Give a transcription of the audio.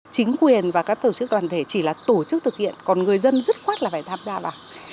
chính quyền và các tổ chức đoàn thể chỉ là tổ chức thực hiện còn người dân dứt khoát là phải tham gia vào